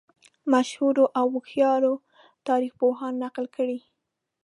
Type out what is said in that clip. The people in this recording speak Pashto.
مشهورو او هوښیارو تاریخ پوهانو نقل کړې.